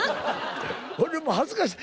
俺も恥ずかしい。